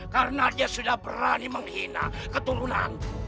karena dia sudah berani menghina keturunanmu